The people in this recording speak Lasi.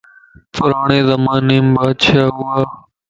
پراڙي زماني مَ بادشاهه ھُوا